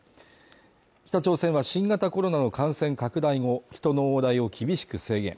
北朝鮮は新型コロナの感染拡大後人の往来を厳しく制限